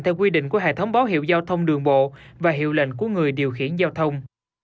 theo quy định của hệ thống báo hiệu giao thông đường bộ và hiệu lệnh của người điều khiển giao thông